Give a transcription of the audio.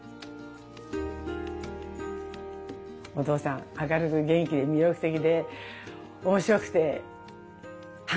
お父さん明るく元気で魅力的で面白くてハンサムで。